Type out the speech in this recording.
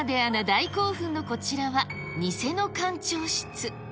大興奮のこちらは、にせの館長室。